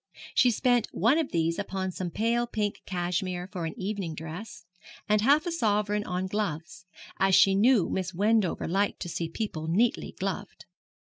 She spent one of these upon some pale pink cashmere for an evening dress, and half a sovereign on gloves, as she knew Miss Wendover liked to see people neatly gloved.